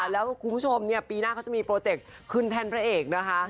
แล้วคุณผู้ชมปีหน้าเขาจะมีโปรเจกต์ขึ้นแท่นพระเอกนะคะ